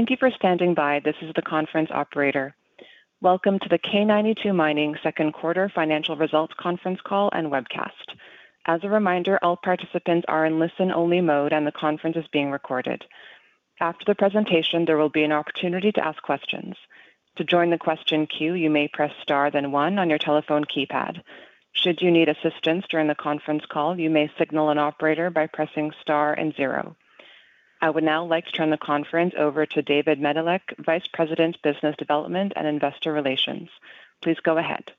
Thank you for standing by. This is the conference operator. Welcome to the K92 Mining second quarter financial results conference call and webcast. As a reminder, all participants are in listen-only mode, and the conference is being recorded. After the presentation, there will be an opportunity to ask questions. To join the question queue, you may press star, then one on your telephone keypad. Should you need assistance during the conference call, you may signal an operator by pressing star, then zero. I would now like to turn the conference over to David Medilek, Vice President, Business Development and Investor Relations. Please go ahead.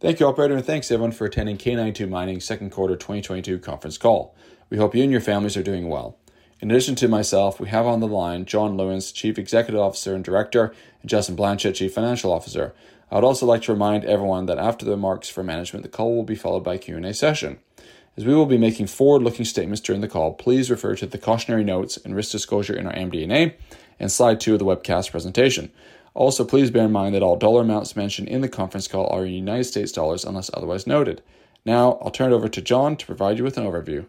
Thank you, operator, and thanks everyone for attending K92 Mining second quarter 2022 conference call. We hope you and your families are doing well. In addition to myself, we have on the line John Lewins, Chief Executive Officer and Director, and Justin Blanchet, Chief Financial Officer. I would also like to remind everyone that after the remarks for management, the call will be followed by a Q&A session. As we will be making forward-looking statements during the call, please refer to the cautionary notes and risk disclosure in our MD&A and slide two of the webcast presentation. Also, please bear in mind that all dollar amounts mentioned in the conference call are in United States dollars, unless otherwise noted. Now, I'll turn it over to John to provide you with an overview.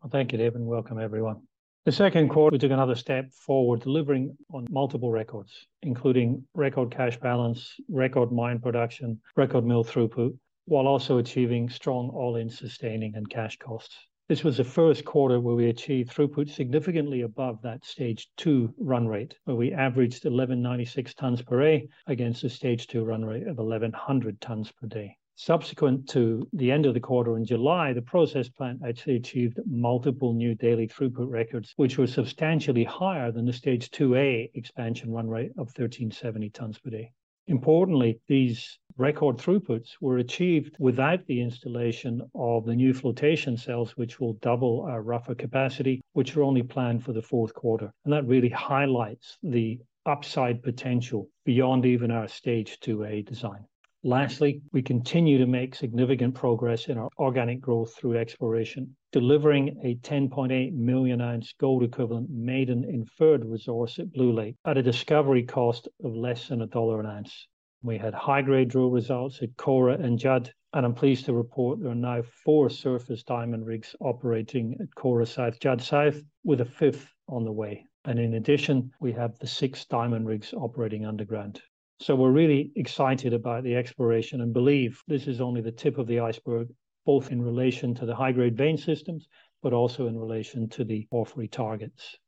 Well, thank you, David, and welcome everyone. The second quarter, we took another step forward delivering on multiple records, including record cash balance, record mine production, record mill throughput, while also achieving strong all-in sustaining and cash costs. This was the first quarter where we achieved throughput significantly above that Stage 2 run rate, where we averaged 1,196 tons per day against a Stage 2 run rate of 1,100 tons per day. Subsequent to the end of the quarter in July, the process plant actually achieved multiple new daily throughput records, which were substantially higher than the Stage 2A Expansion run rate of 1,370 tons per day. Importantly, these record throughputs were achieved without the installation of the new flotation cells, which will double our rougher capacity, which are only planned for the fourth quarter. That really highlights the upside potential beyond even our Stage 2A design. Lastly, we continue to make significant progress in our organic growth through exploration, delivering a 10.8 million oz gold equivalent maiden inferred resource at Blue Lake at a discovery cost of less than $1 an oz. We had high-grade drill results at Kora and Judd, and I'm pleased to report there are now four surface diamond rigs operating at Kora South, Judd South, with a fifth on the way. In addition, we have the six diamond rigs operating underground. We're really excited about the exploration and believe this is only the tip of the iceberg, both in relation to the high-grade vein systems, but also in relation to the porphyry targets.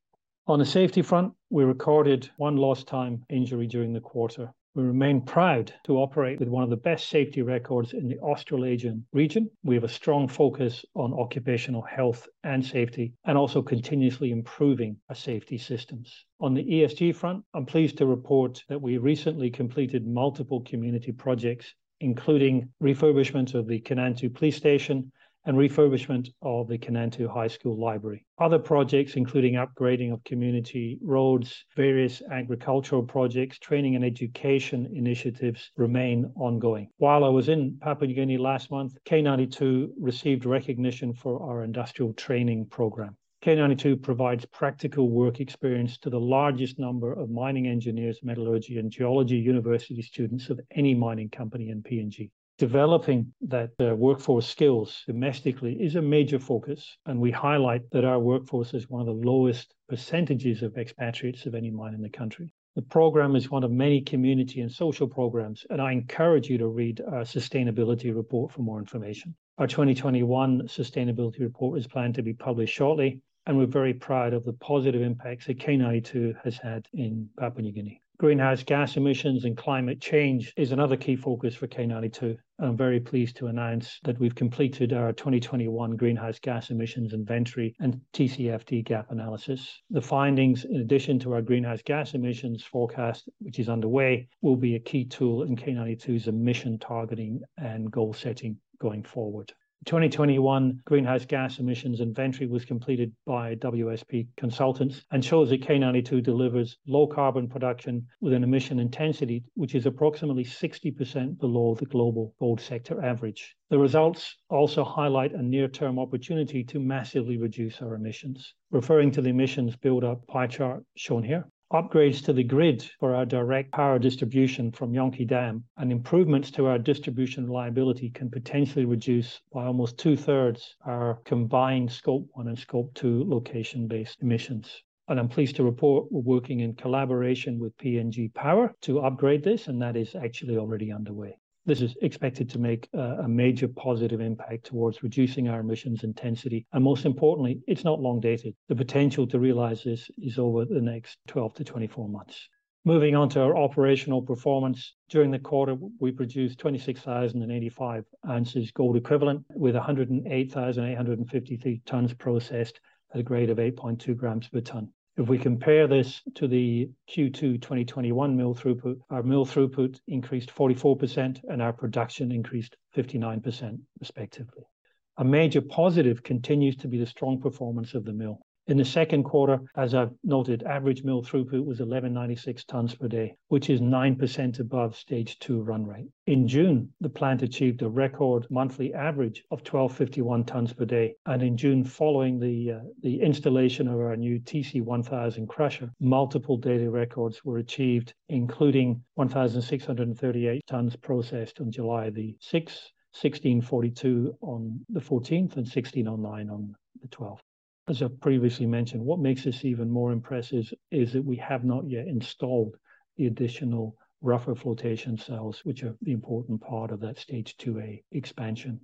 On the safety front, we recorded one lost time injury during the quarter. We remain proud to operate with one of the best safety records in the Australasian region. We have a strong focus on occupational health and safety and also continuously improving our safety systems. On the ESG front, I'm pleased to report that we recently completed multiple community projects, including refurbishment of the Kainantu Police Station and refurbishment of the Kainantu High School library. Other projects, including upgrading of community roads, various agricultural projects, training and education initiatives remain ongoing. While I was in Papua New Guinea last month, K92 received recognition for our industrial training program. K92 provides practical work experience to the largest number of mining engineers, metallurgy and geology university students of any mining company in PNG. Developing that workforce skills domestically is a major focus, and we highlight that our workforce is one of the lowest percentages of expatriates of any mine in the country. The program is one of many community and social programs, and I encourage you to read our sustainability report for more information. Our 2021 sustainability report is planned to be published shortly, and we're very proud of the positive impacts that K92 has had in Papua New Guinea. Greenhouse gas emissions and climate change is another key focus for K92. I'm very pleased to announce that we've completed our 2021 greenhouse gas emissions inventory and TCFD gap analysis. The findings, in addition to our greenhouse gas emissions forecast, which is underway, will be a key tool in K92's emission targeting and goal setting going forward. The 2021 greenhouse gas emissions inventory was completed by WSP Consultants and shows that K92 delivers low carbon production with an emission intensity which is approximately 60% below the global gold sector average. The results also highlight a near-term opportunity to massively reduce our emissions. Referring to the emissions build-up pie chart shown here, upgrades to the grid for our direct power distribution from Yonki Dam and improvements to our distribution reliability can potentially reduce by almost two-thirds our combined Scope 1 and Scope 2 location-based emissions. I'm pleased to report we're working in collaboration with PNG Power to upgrade this, and that is actually already underway. This is expected to make a major positive impact towards reducing our emissions intensity, and most importantly, it's not long dated. The potential to realize this is over the next 12-24 months. Moving on to our operational performance. During the quarter, we produced 26,085 oz gold equivalent with 108,853 tons processed at a grade of 8.2 g per ton. If we compare this to the Q2 2021 mill throughput, our mill throughput increased 44% and our production increased 59% respectively. A major positive continues to be the strong performance of the mill. In the second quarter, as I've noted, average mill throughput was 1,196 tons per day, which is 9% above Stage 2 run rate. In June, the plant achieved a record monthly average of 1,251 tons per day, and in June, following the installation of our new TC1000 crusher, multiple daily records were achieved, including 1,638 tons processed on July 6th, 1,642 on the 14th, and 1,609 on the 12th. As I previously mentioned, what makes this even more impressive is that we have not yet installed the additional rougher flotation cells, which are the important part of that Stage 2A Expansion.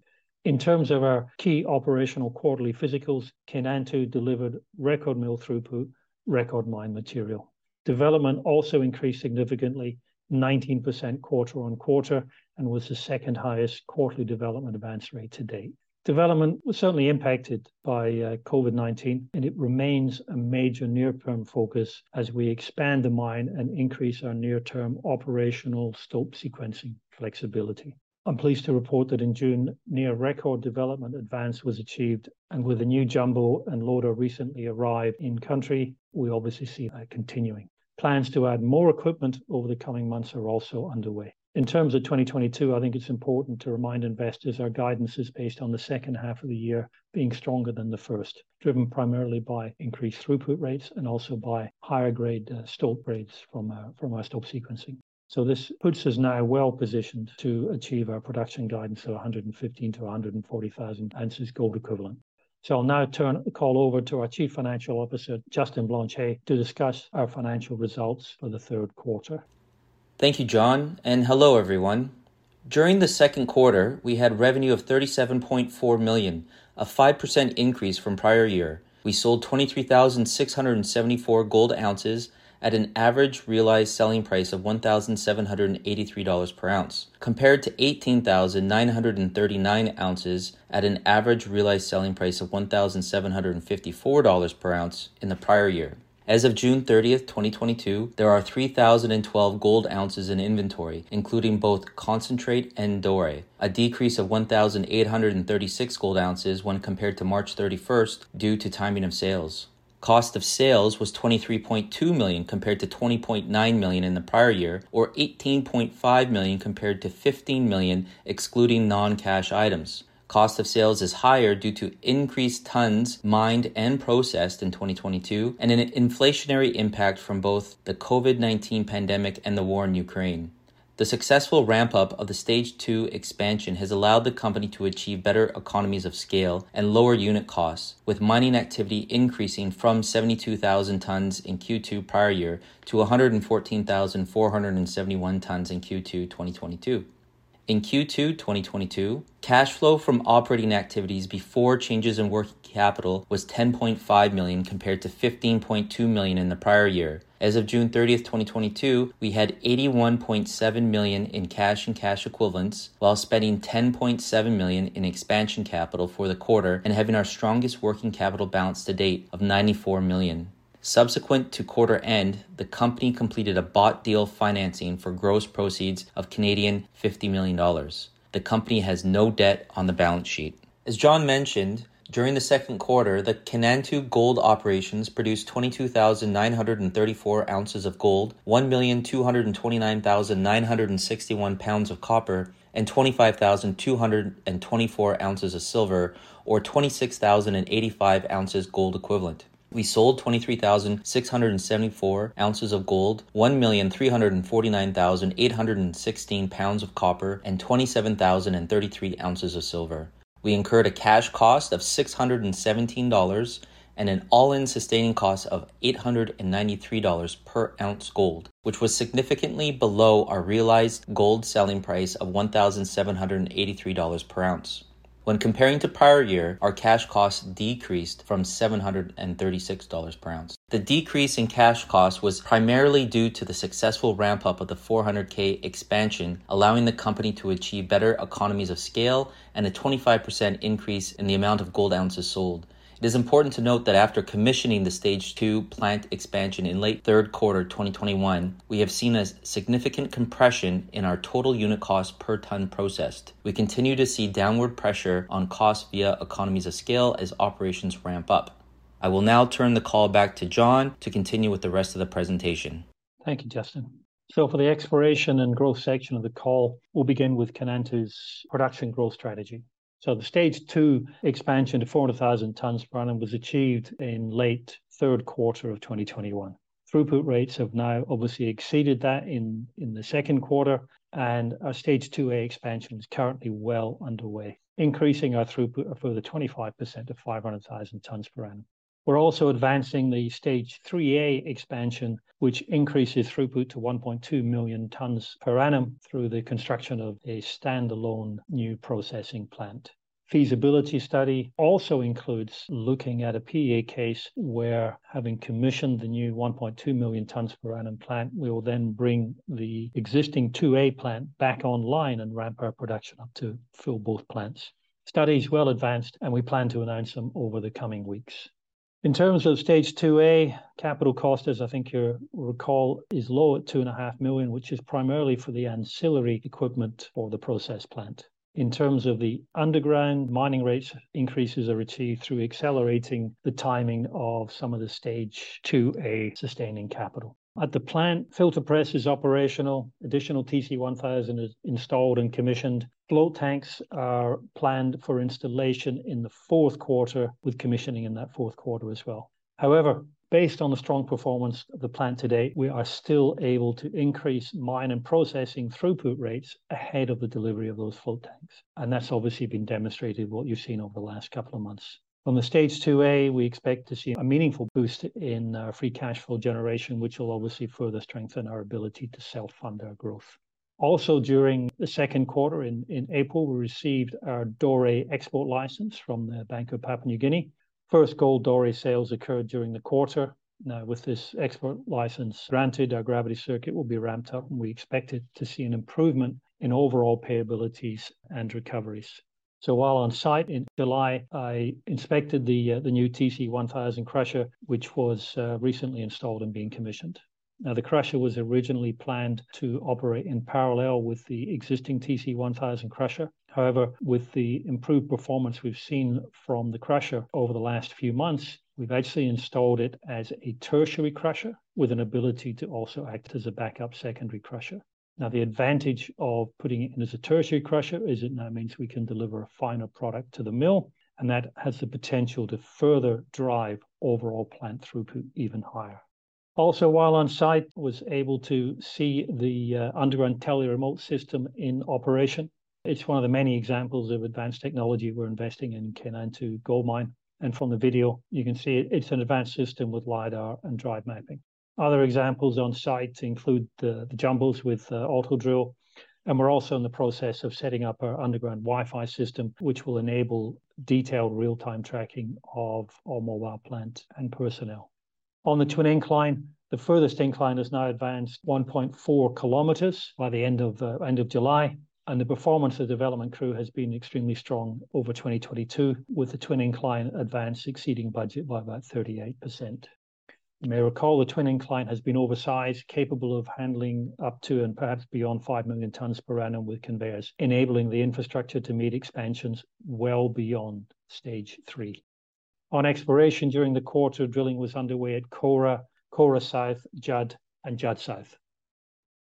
In terms of our key operational quarterly physicals, Kainantu delivered record mill throughput, record mine material. Development also increased significantly 19% quarter-over-quarter, and was the second highest quarterly development advance rate to date. Development was certainly impacted by COVID-19, and it remains a major near-term focus as we expand the mine and increase our near-term operational stope sequencing flexibility. I'm pleased to report that in June, near record development advance was achieved, and with the new jumbo and loader recently arrived in country, we obviously see that continuing. Plans to add more equipment over the coming months are also underway. In terms of 2022, I think it's important to remind investors our guidance is based on the second half of the year being stronger than the first, driven primarily by increased throughput rates and also by higher grade stope grades from our stope sequencing. This puts us now well-positioned to achieve our production guidance of 115,000-140,000 oz gold equivalent. I'll now turn the call over to our Chief Financial Officer, Justin Blanchet, to discuss our financial results for the third quarter. Thank you, John, and hello, everyone. During the second quarter, we had revenue of $37.4 million, a 5% increase from prior year. We sold 23,674 gold oz at an average realized selling price of $1,783 per oz, compared to 18,939 oz at an average realized selling price of $1,754 per oz in the prior year. As of June 30, 2022, there are 3,012 gold oz in inventory, including both concentrate and doré, a decrease of 1,836 gold oz when compared to March 31st due to timing of sales. Cost of sales was $23.2 million compared to $20.9 million in the prior year, or $18.5 million compared to $15 million excluding non-cash items. Cost of sales is higher due to increased tons mined and processed in 2022 and an inflationary impact from both the COVID-19 pandemic and the war in Ukraine. The successful ramp up of the Stage 2 expansion has allowed the company to achieve better economies of scale and lower unit costs, with mining activity increasing from 72,000 tons in Q2 prior year to 114,471 tons in Q2 2022. In Q2 2022, cash flow from operating activities before changes in working capital was $10.5 million compared to $15.2 million in the prior year. As of June 30th, 2022, we had $81.7 million in cash and cash equivalents, while spending $10.7 million in expansion capital for the quarter and having our strongest working capital balance to date of $94 million. Subsequent to quarter end, the company completed a bought deal financing for gross proceeds of 50 million Canadian dollars. The company has no debt on the balance sheet. As John mentioned, during the second quarter, the Kainantu Gold operations produced 22,934 oz of gold, 1,229,961 lbs of copper, and 25,224 oz of silver or 26,085 oz gold equivalent. We sold 23,674 oz of gold, 1,349,816 lbs of copper, and 27,033 oz of silver. We incurred a cash cost of $617 and an All-In Sustaining Cost of $893 per oz gold, which was significantly below our realized gold selling price of $1,783 per oz. When comparing to prior year, our cash cost decreased from $736 per oz. The decrease in cash cost was primarily due to the successful ramp-up of the 400K expansion, allowing the company to achieve better economies of scale and a 25% increase in the amount of gold ounces sold. It is important to note that after commissioning the Stage 2 plant expansion in late third quarter 2021, we have seen a significant compression in our total unit cost per ton processed. We continue to see downward pressure on cost via economies of scale as operations ramp up. I will now turn the call back to John to continue with the rest of the presentation. Thank you, Justin. For the exploration and growth section of the call, we'll begin with Kainantu's production growth strategy. The Stage 2 expansion to 400,000 tons per annum was achieved in late third quarter of 2021. Throughput rates have now obviously exceeded that in the second quarter, and our Stage 2A expansion is currently well underway, increasing our throughput a further 25% to 500,000 tons per annum. We're also advancing the Stage 3A expansion, which increases throughput to 1.2 million tons per annum through the construction of a standalone new processing plant. Feasibility study also includes looking at a PEA case where having commissioned the new 1.2 million tons per annum plant, we will then bring the existing 2A plant back online and ramp our production up to fill both plants. Study is well advanced, and we plan to announce them over the coming weeks. In terms of Stage 2A, capital cost, as I think you recall, is low at $2.5 million, which is primarily for the ancillary equipment for the process plant. In terms of the underground mining rates, increases are achieved through accelerating the timing of some of the Stage 2A sustaining capital. At the plant, filter press is operational. Additional TC1000 is installed and commissioned. Flotation tanks are planned for installation in the fourth quarter, with commissioning in that fourth quarter as well. However, based on the strong performance of the plant to date, we are still able to increase mine and processing throughput rates ahead of the delivery of those flotation tanks, and that's obviously been demonstrated what you've seen over the last couple of months. From the Stage 2A, we expect to see a meaningful boost in free cash flow generation, which will obviously further strengthen our ability to self-fund our growth. Also during the second quarter in April, we received our doré export license from the Bank of Papua New Guinea. First gold doré sales occurred during the quarter. Now, with this export license granted, our gravity circuit will be ramped up, and we expected to see an improvement in overall payability and recoveries. While on site in July, I inspected the new TC1000 crusher, which was recently installed and being commissioned. Now, the crusher was originally planned to operate in parallel with the existing TC1000 crusher. However, with the improved performance we've seen from the crusher over the last few months, we've actually installed it as a tertiary crusher with an ability to also act as a backup secondary crusher. Now, the advantage of putting it in as a tertiary crusher is it now means we can deliver a finer product to the mill, and that has the potential to further drive overall plant throughput even higher. Also, while on site, was able to see the underground tele-remote system in operation. It's one of the many examples of advanced technology we're investing in Kainantu Gold Mine, and from the video you can see it's an advanced system with LIDAR and drive mapping. Other examples on site include the jumbos with auto drill, and we're also in the process of setting up our underground Wi-Fi system, which will enable detailed real-time tracking of all mobile plant and personnel. On the twin incline, the furthest incline has now advanced 1.4 km by the end of July, and the performance of the development crew has been extremely strong over 2022, with the twin incline advance exceeding budget by about 38%. You may recall the twin incline has been oversized, capable of handling up to and perhaps beyond 5 million tons per annum with conveyors, enabling the infrastructure to meet expansions well beyond Stage 3. On exploration during the quarter, drilling was underway at Kora South, Judd, and Judd South.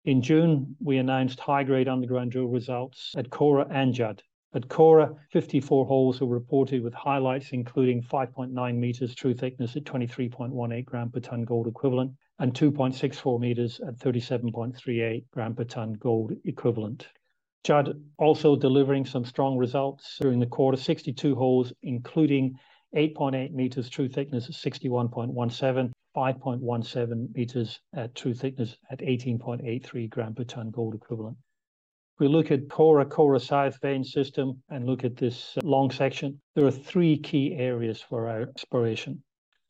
In June, we announced high-grade underground drill results at Kora and Judd. At Kora, 54 holes were reported with highlights including 5.9 m true thickness at 23.18 g per ton gold equivalent and 2.64 m at 37.38 g per ton gold equivalent. Judd also delivering some strong results during the quarter. 62 holes, including 8.8 m true thickness at 61.17 g, 5.17 m true thickness at 18.83 g per ton gold equivalent. If we look at Kora South vein system and look at this long section, there are three key areas for our exploration.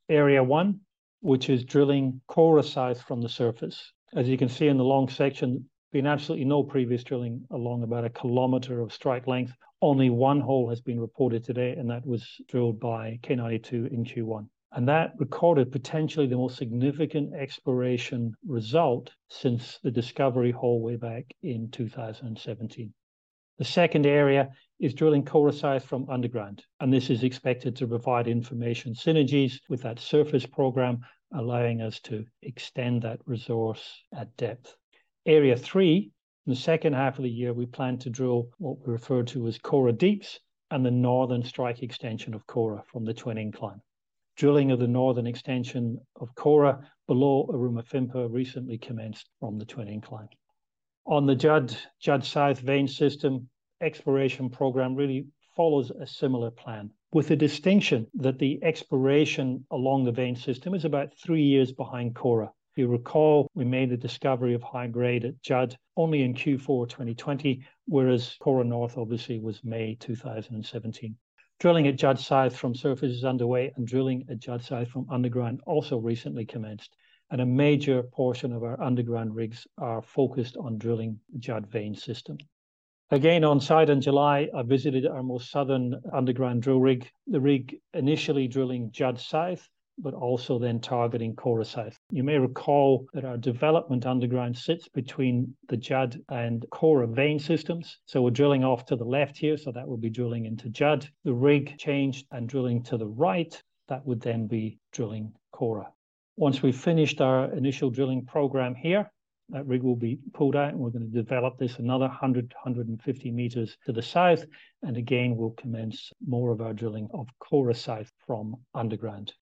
Area one, which is drilling Kora South from the surface. As you can see in the long section, been absolutely no previous drilling along about a kilometer of strike length. Only one hole has been reported today, and that was drilled by K92 in Q1. That recorded potentially the most significant exploration result since the discovery hole way back in 2017. The second area is drilling Kora South from underground, and this is expected to provide information synergies with that surface program, allowing us to extend that resource at depth. Area three, in the second half of the year, we plan to drill what we refer to as Kora Deeps and the northern strike extension of Kora from the twin incline. Drilling of the northern extension of Kora below Arakompa recently commenced from the twin incline. On the Judd South vein system, exploration program really follows a similar plan, with the distinction that the exploration along the vein system is about three years behind Kora. If you recall, we made the discovery of high grade at Judd only in Q4 2020, whereas Kora North obviously was May 2017. Drilling at Judd South from surface is underway and drilling at Judd South from underground also recently commenced, and a major portion of our underground rigs are focused on drilling Judd vein system. Again on-site in July, I visited our most southern underground drill rig. The rig initially drilling Judd South, but also then targeting Kora South. You may recall that our development underground sits between the Judd and Kora vein systems, so we're drilling off to the left here, so that would be drilling into Judd. The rig changed and drilling to the right, that would then be drilling Kora. Once we've finished our initial drilling program here, that rig will be pulled out and we're gonna develop this another 150 m to the south, and again, we'll commence more of our drilling of Kora South from underground.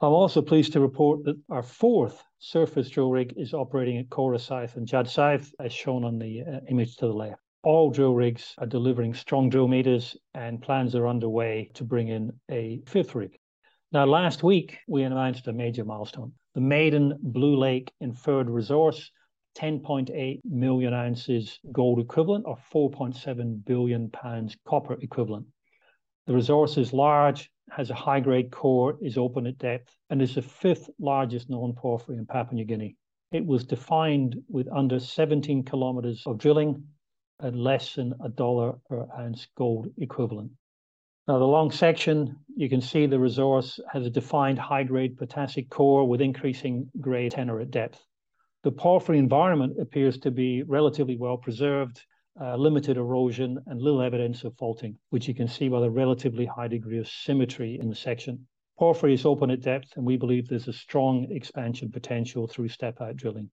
I'm also pleased to report that our fourth surface drill rig is operating at Kora South and Judd South, as shown on the image to the left. All drill rigs are delivering strong drill meters and plans are underway to bring in a fifth rig. Now last week, we announced a major milestone. The maiden Blue Lake inferred resource, 10.8 million oz gold equivalent or 4.7 billion lbs copper equivalent. The resource is large, has a high-grade core, is open at depth, and is the fifth largest known porphyry in Papua New Guinea. It was defined with under 17 km of drilling at less than $1 per oz gold equivalent. Now the long section, you can see the resource has a defined high grade potassic core with increasing grade tenor at depth. The porphyry environment appears to be relatively well preserved, limited erosion and little evidence of faulting, which you can see by the relatively high degree of symmetry in the section. Porphyry is open at depth, and we believe there's a strong expansion potential through step out drilling.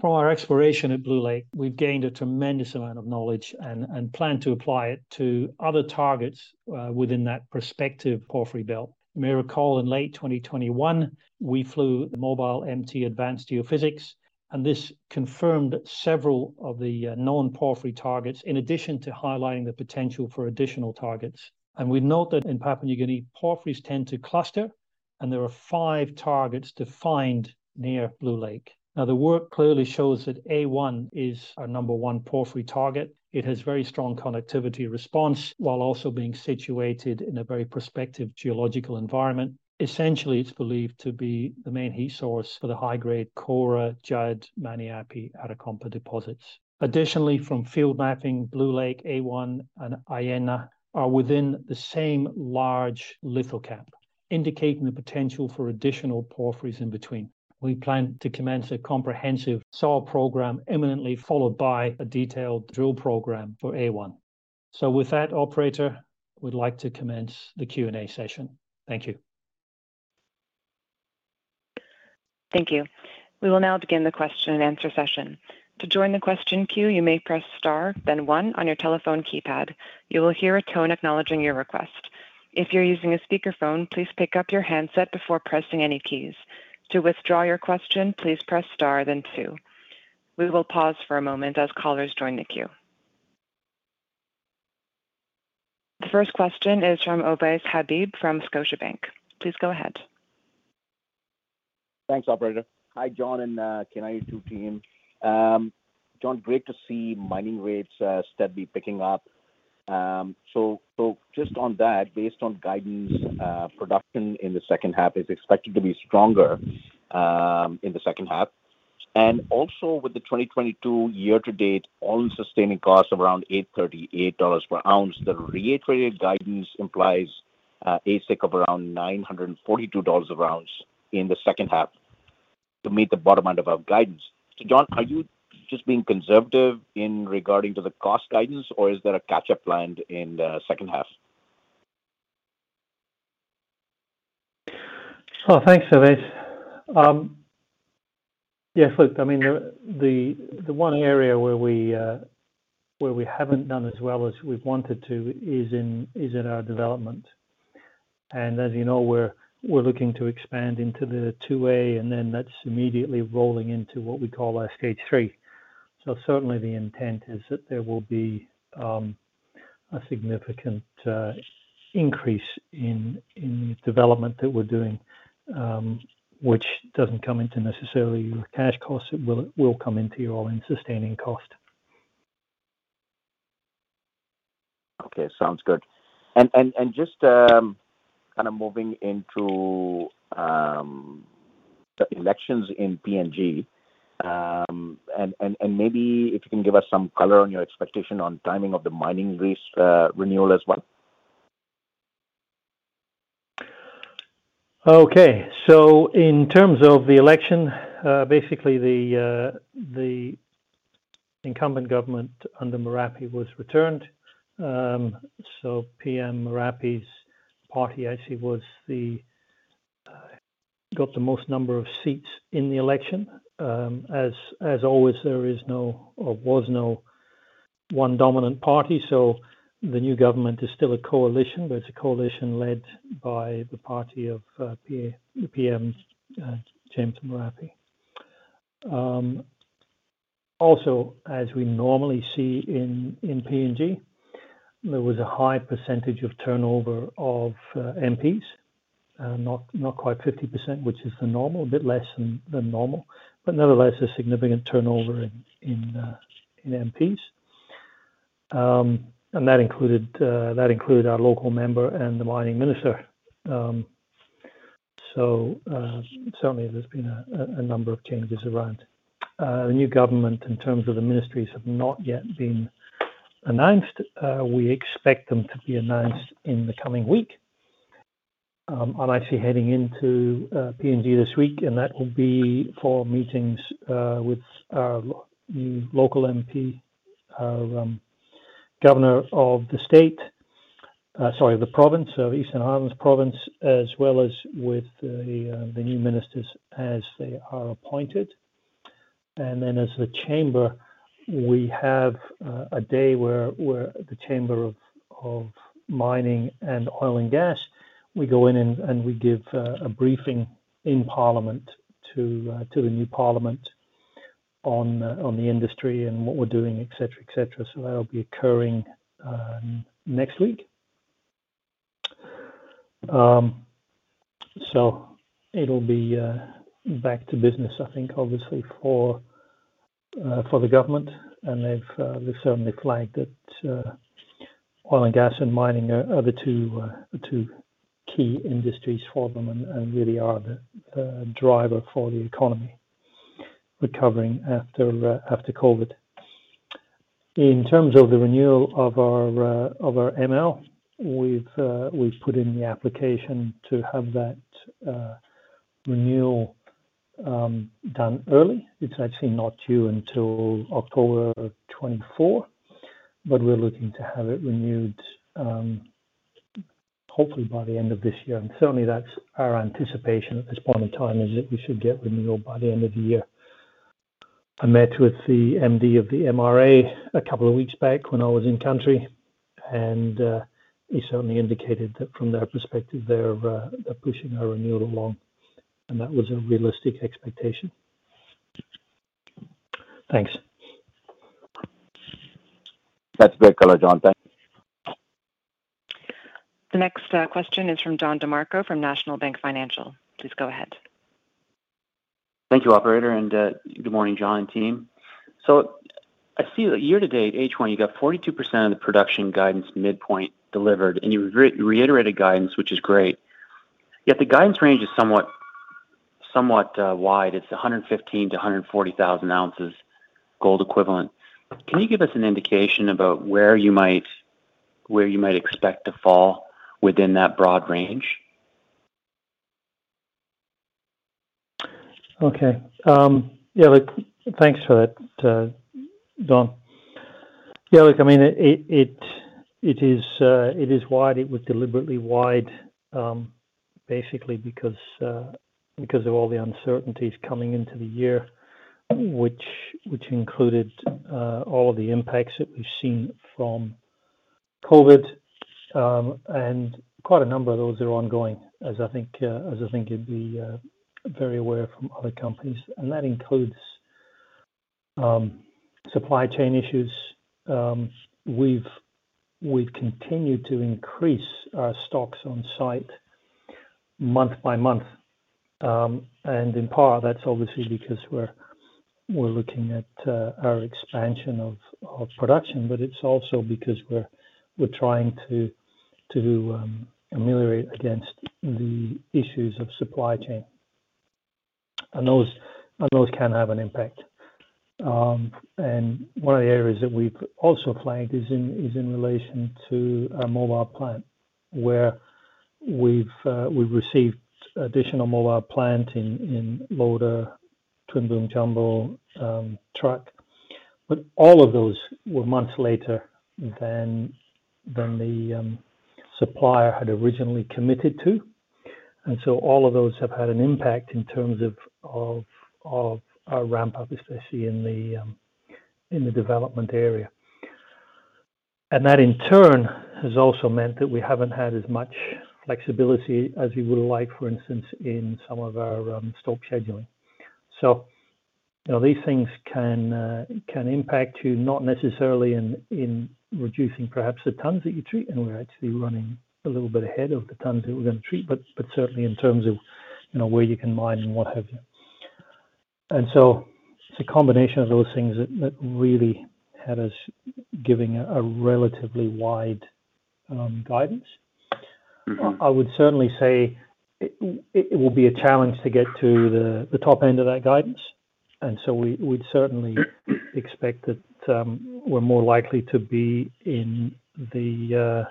From our exploration at Blue Lake, we've gained a tremendous amount of knowledge and plan to apply it to other targets within that prospective porphyry belt. You may recall in late 2021, we flew the MobileMT advanced geophysics, and this confirmed several of the known porphyry targets, in addition to highlighting the potential for additional targets. We note that in Papua New Guinea, porphyries tend to cluster, and there are five targets defined near Blue Lake. Now, the work clearly shows that A1 is our number one porphyry target. It has very strong connectivity response while also being situated in a very prospective geological environment. Essentially, it's believed to be the main heat source for the high-grade Kora, Judd, Maniape, Arakompa deposits. Additionally, from field mapping, Blue Lake, A1 and Ayena are within the same large lithocap, indicating the potential for additional porphyries in between. We plan to commence a comprehensive soil program imminently, followed by a detailed drill program for A1. With that, operator, we'd like to commence the Q&A session. Thank you. Thank you. We will now begin the question and answer session. To join the question queue, you may press star, then one on your telephone keypad. You will hear a tone acknowledging your request. If you're using a speakerphone, please pick up your handset before pressing any keys. To withdraw your question, please press star then two. We will pause for a moment as callers join the queue. The first question is from Ovais Habib from Scotiabank. Please go ahead. Thanks, operator. Hi, John and K92 team. John, great to see mining rates steadily picking up. So just on that, based on guidance, production in the second half is expected to be stronger in the second half. With the 2022 year-to-date All-In Sustaining Costs around $838 per oz. The updated guidance implies AISC of around $942 per oz in the second half to meet the bottom end of our guidance. John, are you just being conservative in regard to the cost guidance or is there a catch-up planned in the second half? Oh, thanks, Ovais. Yes, look, I mean, the one area where we haven't done as well as we've wanted to is in our development. As you know, we're looking to expand into the 2A, and then that's immediately rolling into what we call our Stage 3. Certainly the intent is that there will be a significant increase in the development that we're doing, which doesn't come into necessarily your cash costs. It will come into your All-In Sustaining Cost. Okay. Sounds good. Just kind of moving into the elections in PNG and maybe if you can give us some color on your expectation on timing of the mining lease renewal as well. In terms of the election, basically the incumbent government under Marape was returned. PM Marape's party actually got the most number of seats in the election. As always, there was no one dominant party. The new government is still a coalition, but it's a coalition led by the party of PM James Marape. Also, as we normally see in PNG, there was a high percentage of turnover of MPs, not quite 50%, which is the normal, a bit less than normal, but nevertheless a significant turnover in MPs. That included our local member and the mining minister. Certainly there's been a number of changes around. The new government in terms of the ministries have not yet been announced. We expect them to be announced in the coming week. I'm actually heading into PNG this week, and that will be for meetings with our local MP, governor of the province of Eastern Highlands Province, as well as with the new ministers as they are appointed. As the chamber, we have a day where the chamber of mining and oil and gas we go in and we give a briefing in parliament to the new parliament on the industry and what we're doing, et cetera, et cetera. That'll be occurring next week. It'll be back to business, I think, obviously for the government. They've certainly flagged that oil and gas and mining are the two key industries for them and really are the driver for the economy recovering after COVID. In terms of the renewal of our ML, we've put in the application to have that renewal done early. It's actually not due until October of 2024, but we're looking to have it renewed, hopefully by the end of this year. Certainly that's our anticipation at this point in time, is that we should get renewal by the end of the year. I met with the MD of the MRA a couple of weeks back when I was in country, and he certainly indicated that from their perspective thereof, they're pushing our renewal along, and that was a realistic expectation. Thanks. That's very clear, John. Thanks. The next question is from Don DeMarco from National Bank Financial. Please go ahead. Thank you, operator, and good morning, John and team. I see that year to date, H1, you got 42% of the production guidance midpoint delivered, and you reiterated guidance, which is great. The guidance range is somewhat wide. It's 115,000-140,000 oz gold equivalent. Can you give us an indication about where you might expect to fall within that broad range? Okay. Yeah, look, thanks for that, Don. Yeah, look, I mean, it is wide. It was deliberately wide, basically because of all the uncertainties coming into the year, which included all of the impacts that we've seen from COVID. Quite a number of those are ongoing, as I think you'd be very aware from other companies. That includes supply chain issues. We've continued to increase our stocks on site month by month. In part, that's obviously because we're looking at our expansion of production, but it's also because we're trying to ameliorate against the issues of supply chain. Those can have an impact. One of the areas that we've also flagged is in relation to our mobile plant, where we've received additional mobile plant in loader, twin boom jumbo, truck. All of those were months later than the supplier had originally committed to. All of those have had an impact in terms of our ramp up, especially in the development area. That in turn has also meant that we haven't had as much flexibility as we would like, for instance, in some of our stock scheduling. You know, these things can impact you, not necessarily in reducing perhaps the tons that you treat, and we're actually running a little bit ahead of the tons that we're gonna treat, but certainly in terms of, you know, where you can mine and what have you. It's a combination of those things that really had us giving a relatively wide guidance. Mm-hmm. I would certainly say it will be a challenge to get to the top end of that guidance. We'd certainly expect that we're more likely to be in the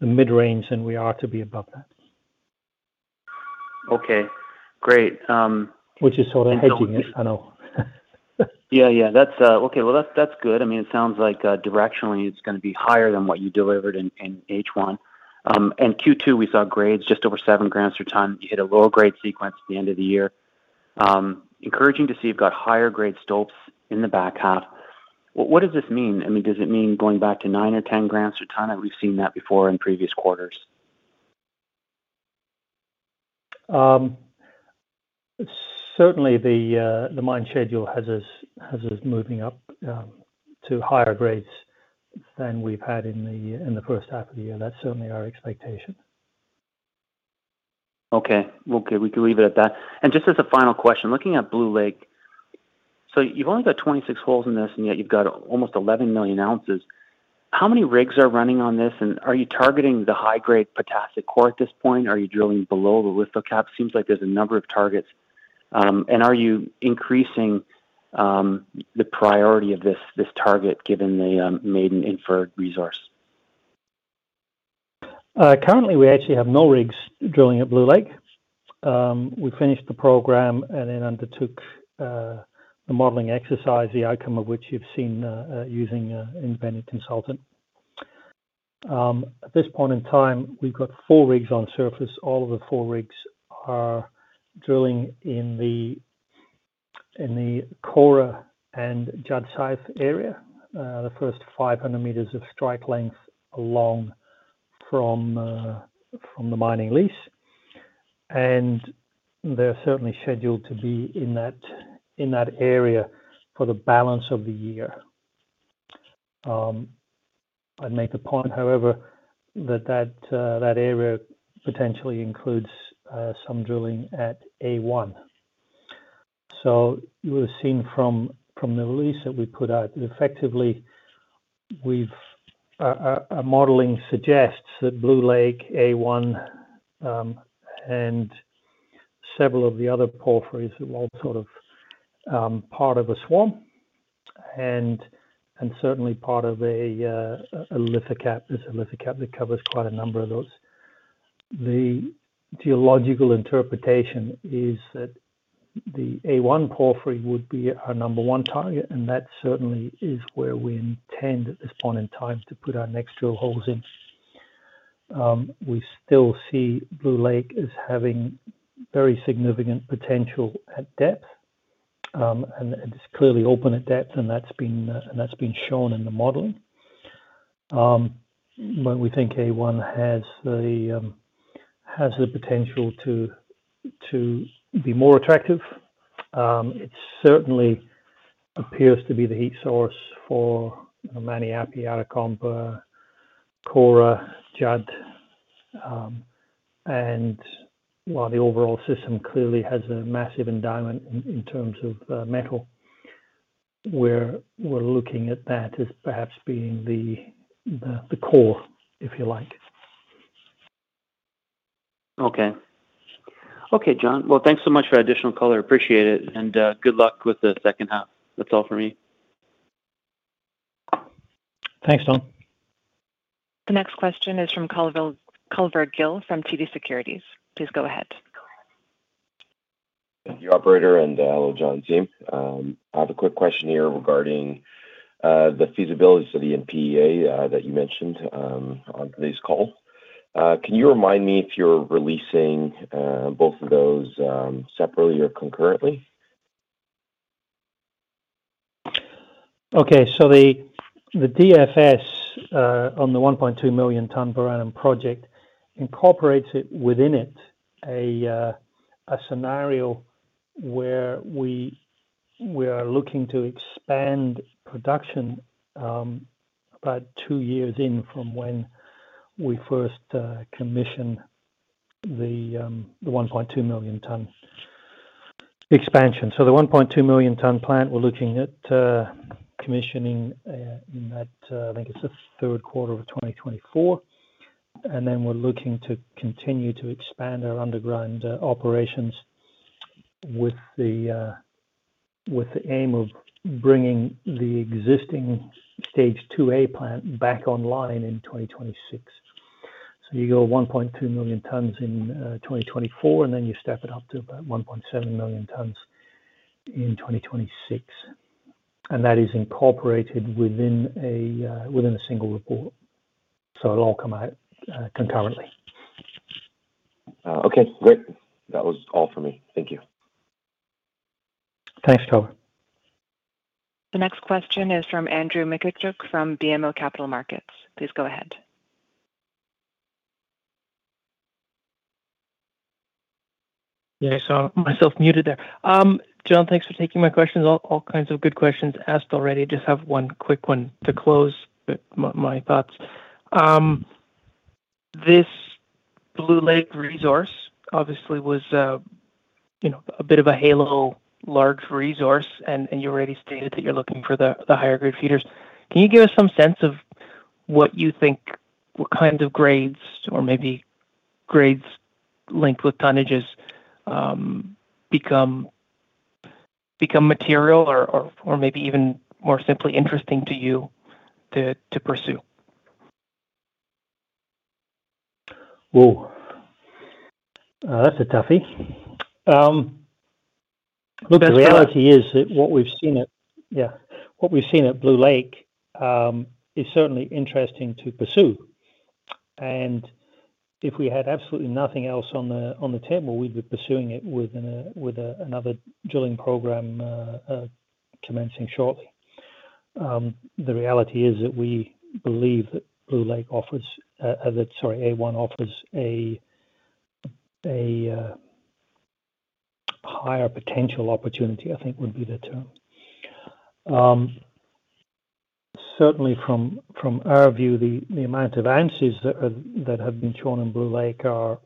mid-range than we are to be above that. Okay, great. Which is sort of hedging it, I know. Yeah, yeah. That's okay. Well, that's good. I mean, it sounds like directionally it's gonna be higher than what you delivered in H1. In Q2, we saw grades just over 7 g per ton. You hit a lower grade sequence at the end of the year. Encouraging to see you've got higher grade stopes in the back half. What does this mean? I mean, does it mean going back to 9-10 g per ton, and we've seen that before in previous quarters? Certainly the mine schedule has us moving up to higher grades than we've had in the first half of the year. That's certainly our expectation. Okay. Okay, we can leave it at that. Just as a final question, looking at Blue Lake. So you've only got 26 holes in this, and yet you've got almost 11 million oz. How many rigs are running on this, and are you targeting the high-grade potassic core at this point? Are you drilling below the lithocap? Seems like there's a number of targets. And are you increasing the priority of this target given the maiden inferred resource? Currently, we actually have no rigs drilling at Blue Lake. We finished the program and then undertook the modeling exercise, the outcome of which you've seen, using independent consultant. At this point in time, we've got four rigs on surface. All of the four rigs are drilling in the Kora and Judd South area, the first 500 m of strike length along from the mining lease. They're certainly scheduled to be in that area for the balance of the year. I'd make a point, however, that that area potentially includes some drilling at A1. You will have seen from the release that we put out. Effectively, our modeling suggests that Blue Lake A1 and several of the other porphyries are all sort of part of a swarm and certainly part of a lithocap. There's a lithocap that covers quite a number of those. The geological interpretation is that the A1 porphyry would be our number one target, and that certainly is where we intend at this point in time to put our next drill holes in. We still see Blue Lake as having very significant potential at depth, and it's clearly open at depth, and that's been shown in the modeling. But we think A1 has the potential to be more attractive. It certainly appears to be the heat source for Maniape, Arakompa, Kora, Judd. While the overall system clearly has a massive endowment in terms of metal, we're looking at that as perhaps being the core, if you like. Okay, John. Well, thanks so much for the additional color. Appreciate it. Good luck with the second half. That's all for me. Thanks, Don. The next question is from Kulvir Gill from TD Securities. Please go ahead. Thank you, operator. Hello, John's team. I have a quick question here regarding the feasibilities of the PEA that you mentioned on today's call. Can you remind me if you're releasing both of those separately or concurrently? The DFS on the 1.2 million ton per annum project incorporates it within it a scenario where we are looking to expand production about two years in from when we first commission the 1.2 million ton expansion. The 1.2 million ton plant, we're looking at commissioning in that I think it's the third quarter of 2024. Then we're looking to continue to expand our underground operations with the aim of bringing the existing Stage 2A plant back online in 2026. You go 1.2 million tons in 2024, and then you step it up to about 1.7 million tons in 2026. That is incorporated within a single report. It'll all come out concurrently. Okay. Great. That was all for me. Thank you. Thanks, Kulvir. The next question is from Andrew Mikitchook from BMO Capital Markets. Please go ahead. Yeah, I saw myself muted there. John, thanks for taking my questions. All kinds of good questions asked already. Just have one quick one to close my thoughts. This Blue Lake resource obviously was you know a bit of a halo large resource and you already stated that you're looking for the higher grade feeders. Can you give us some sense of what you think, what kind of grades or maybe grades linked with tonnages become material or maybe even more simply interesting to you to pursue? Whoa. That's a toughie. That's- The reality is that what we've seen at Blue Lake is certainly interesting to pursue. If we had absolutely nothing else on the table, we'd be pursuing it with another drilling program commencing shortly. The reality is that we believe that A1 offers a higher potential opportunity, I think would be the term. Certainly from our view, the amount of ounces that have been shown in Blue Lake are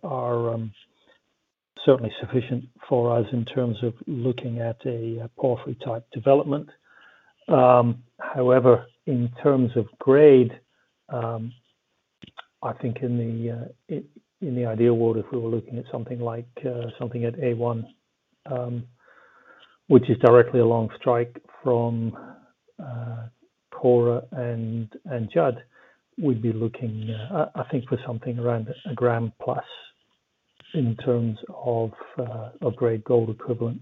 certainly sufficient for us in terms of looking at a porphyry-type development. However, in terms of grade, I think in the ideal world, if we were looking at something at A1, which is directly along strike from Kora and Judd, we'd be looking, I think for something around a gram plus in terms of grade gold equivalent.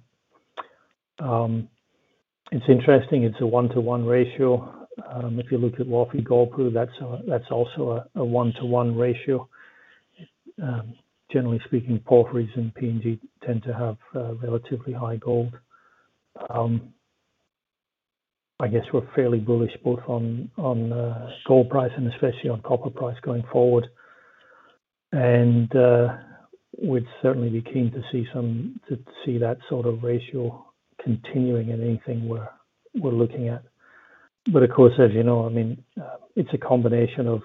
It's interesting, it's a 1:1. If you look at Wafi-Golpu, that's also a 1:1. Generally speaking, porphyries and PNG tend to have relatively high gold. I guess we're fairly bullish both on gold price and especially on copper price going forward. We'd certainly be keen to see that sort of ratio continuing in anything we're looking at. Of course, as you know, I mean, it's a combination of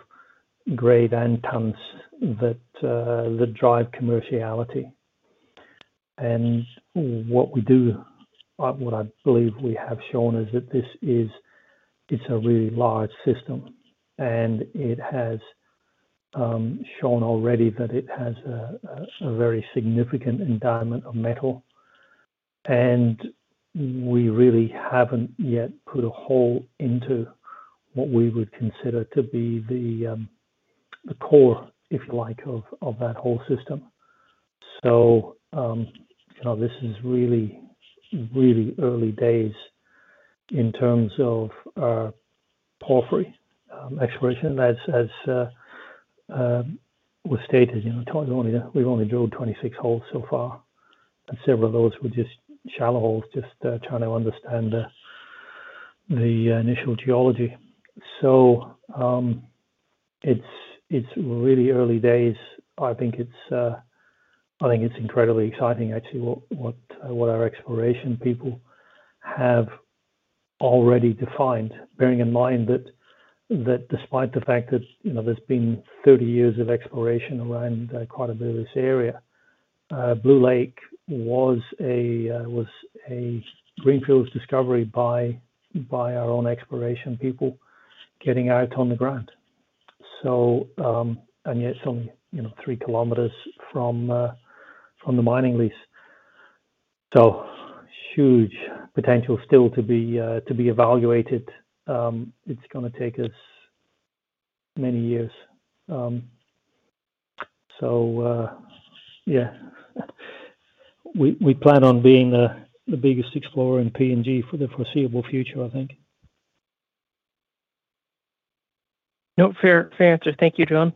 grade and tons that drive commerciality. What we do, what I believe we have shown is that this is, it's a really large system, and it has shown already that it has a very significant endowment of metal. We really haven't yet put a hole into what we would consider to be the core, if you like, of that whole system. You know, this is really, really early days in terms of porphyry exploration. As was stated, you know, we've only drilled 26 holes so far, and several of those were just shallow holes, just trying to understand the initial geology. It's really early days. I think it's incredibly exciting actually what our exploration people have already defined. Bearing in mind that despite the fact that, you know, there's been 30 years of exploration around quite a bit of this area. Blue Lake was a greenfields discovery by our own exploration people getting out on the ground. And yet it's only, you know, 3 km from the mining lease. Huge potential still to be evaluated. It's gonna take us many years. We plan on being the biggest explorer in PNG for the foreseeable future, I think. No, fair answer. Thank you, John.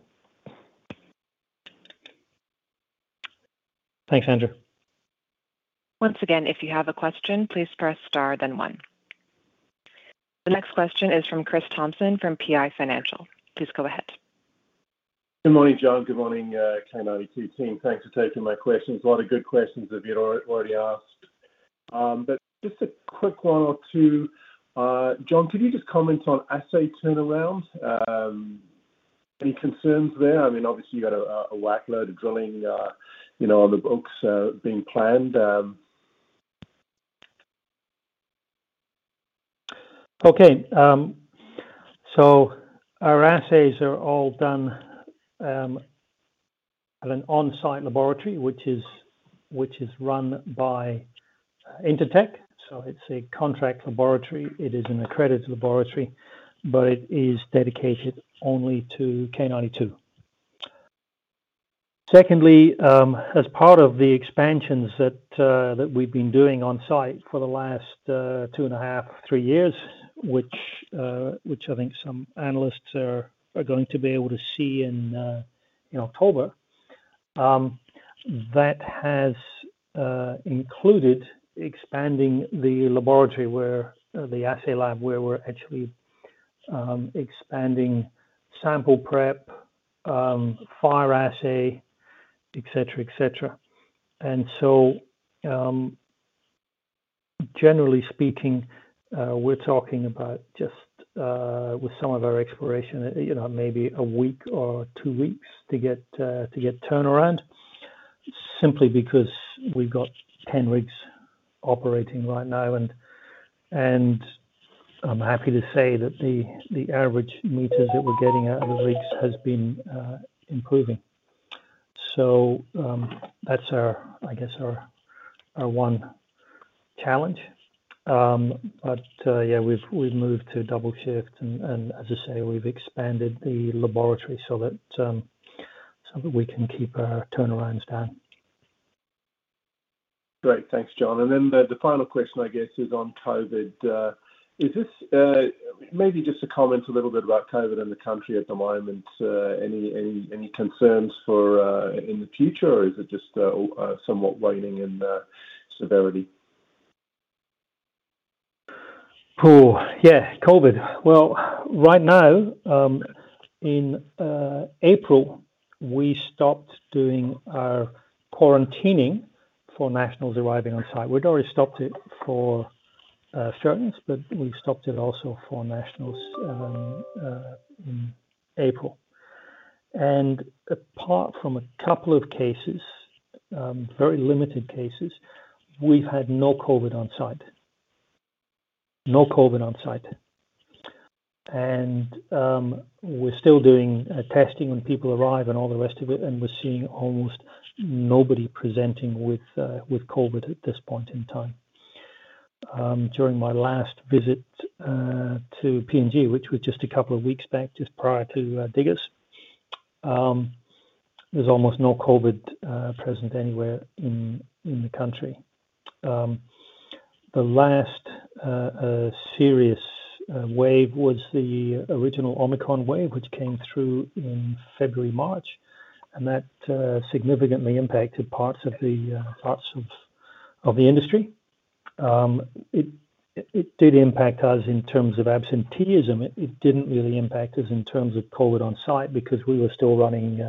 Thanks, Andrew. Once again, if you have a question, please press star then one. The next question is from Chris Thompson from PI Financial. Please go ahead. Good morning, John. Good morning, K92 team. Thanks for taking my questions. A lot of good questions have been already asked. Just a quick one or two. John, could you just comment on assay turnaround? Any concerns there? I mean, obviously you got a whack load of drilling, you know, on the books, being planned. Okay. Our assays are all done at an on-site laboratory, which is run by Intertek. It's a contract laboratory. It is an accredited laboratory, but it is dedicated only to K92. Secondly, as part of the expansions that we've been doing on site for the last 2.5-three years, which I think some analysts are going to be able to see in October. That has included expanding the laboratory, the assay lab where we're actually expanding sample prep, fire assay, et cetera, et cetera. Generally speaking, we're talking about just with some of our exploration, you know, maybe a week or two weeks to get turnaround simply because we've got 10 rigs operating right now. I'm happy to say that the average meters that we're getting out of the rigs has been improving. That's our, I guess, one challenge. Yeah, we've moved to double shift and as I say, we've expanded the laboratory so that we can keep our turnarounds down. Great. Thanks, John. The final question I guess is on COVID. Maybe just to comment a little bit about COVID in the country at the moment. Any concerns for in the future? Is it just somewhat waning in severity? Poor. Yeah, COVID. Well, right now, in April, we stopped doing our quarantining for nationals arriving on site. We'd already stopped it for Australians, but we stopped it also for nationals in April. Apart from a couple of cases, very limited cases, we've had no COVID on site. We're still doing testing when people arrive and all the rest of it, and we're seeing almost nobody presenting with COVID at this point in time. During my last visit to PNG, which was just a couple of weeks back, just prior to Diggers & Dealers, there's almost no COVID present anywhere in the country. The last serious wave was the original Omicron wave, which came through in February, March, and that significantly impacted parts of the industry. It did impact us in terms of absenteeism. It didn't really impact us in terms of COVID on site because we were still running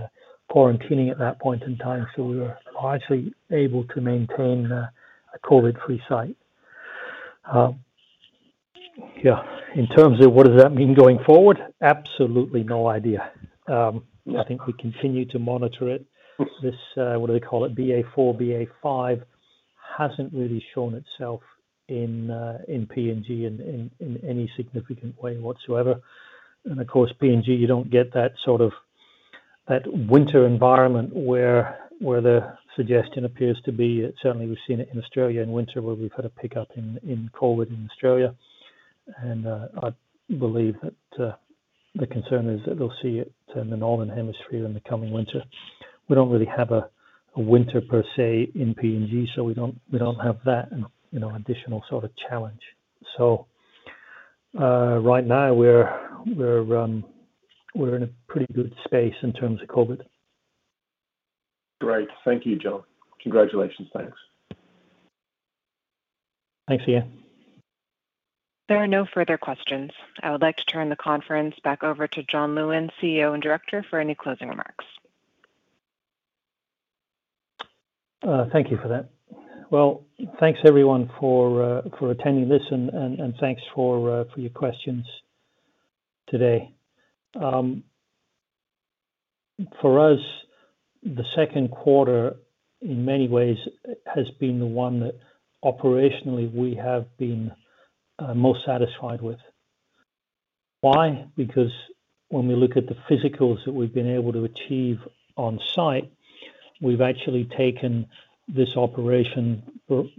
quarantining at that point in time. We were largely able to maintain a COVID-free site. Yeah. In terms of what does that mean going forward? Absolutely no idea. I think we continue to monitor it. This what do they call it? BA.4, BA.5 hasn't really shown itself in PNG in any significant way whatsoever. Of course, PNG, you don't get that sort of winter environment where the suggestion appears to be. Certainly, we've seen it in Australia in winter, where we've had a pickup in COVID in Australia. I believe that the concern is that they'll see it in the Northern Hemisphere in the coming winter. We don't really have a winter per se in PNG, so we don't have that, you know, additional sort of challenge. Right now we're in a pretty good space in terms of COVID. Great. Thank you, John. Congratulations. Thanks. Thanks, [See ya]. There are no further questions. I would like to turn the conference back over to John Lewins, CEO and Director, for any closing remarks. Thank you for that. Well, thanks everyone for attending this and thanks for your questions today. For us, the second quarter, in many ways, has been the one that operationally we have been most satisfied with. Why? Because when we look at the physicals that we've been able to achieve on-site, we've actually taken this operation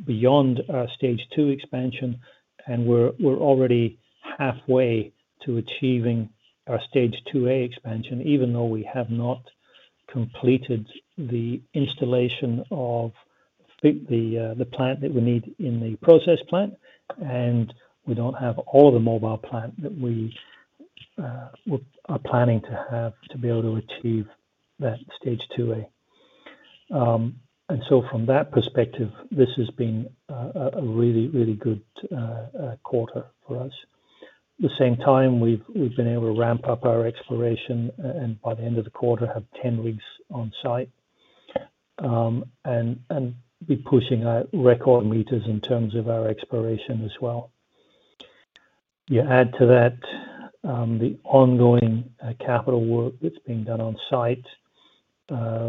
beyond our Stage 2 Expansion, and we're already halfway to achieving our Stage 2A Expansion, even though we have not completed the installation of the plant that we need in the process plant. We don't have all the mobile plant that we are planning to have to be able to achieve that Stage 2A Expansion. From that perspective, this has been a really good quarter for us. At the same time, we've been able to ramp up our exploration and by the end of the quarter, have 10 rigs on-site and be pushing our record meters in terms of our exploration as well. You add to that, the ongoing capital work that's being done on-site,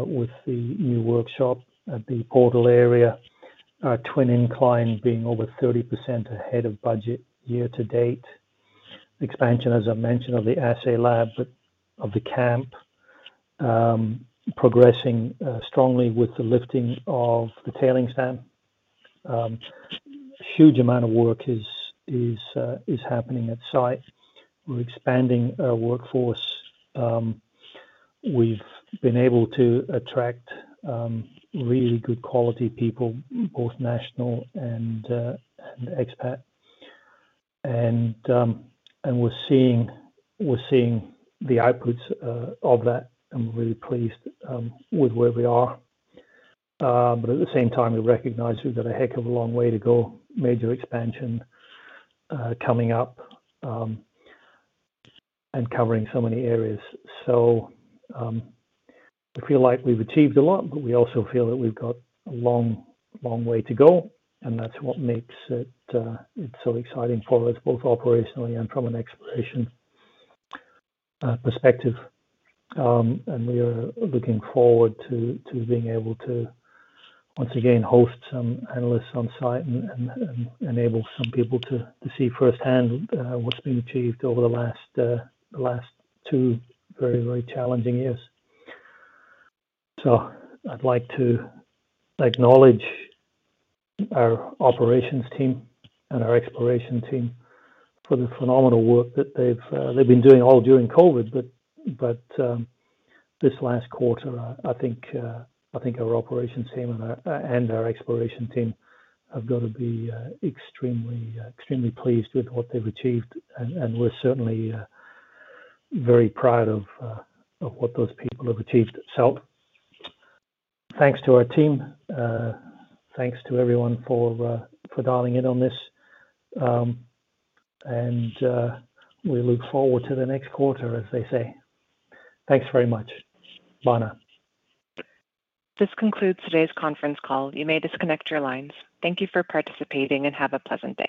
with the new workshop at the portal area. Our twin incline being over 30% ahead of budget year to date. Expansion, as I mentioned, of the assay lab and the camp, progressing strongly with the lifting of the tailings dam. Huge amount of work is happening at site. We're expanding our workforce. We've been able to attract really good quality people, both national and expat. We're seeing the outputs of that and we're really pleased with where we are. At the same time, we recognize we've got a heck of a long way to go. Major expansion coming up and covering so many areas. I feel like we've achieved a lot, but we also feel that we've got a long way to go, and that's what makes it so exciting for us, both operationally and from an exploration perspective. We are looking forward to being able to once again host some analysts on-site and enable some people to see firsthand what's been achieved over the last two very challenging years. I'd like to acknowledge our operations team and our exploration team for the phenomenal work that they've been doing all during COVID. This last quarter, I think our operations team and our exploration team have got to be extremely pleased with what they've achieved. We're certainly very proud of what those people have achieved itself. Thanks to our team. Thanks to everyone for dialing in on this. We look forward to the next quarter, as they say. Thanks very much. Bye now. This concludes today's conference call. You may disconnect your lines. Thank you for participating, and have a pleasant day.